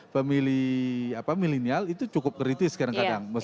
pemilih milenial itu cukup kritis kadang kadang